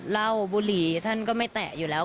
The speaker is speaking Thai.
เหล้าบุหรี่ท่านก็ไม่แตะอยู่แล้ว